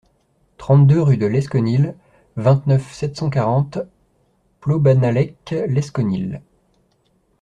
trente-deux rue de Lesconil, vingt-neuf, sept cent quarante, Plobannalec-Lesconil